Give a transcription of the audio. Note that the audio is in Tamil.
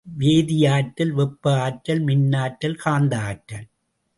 வேதியாற்றல், வெப்பஆற்றல், மின்னாற்றல், காந்தஆற்றல்.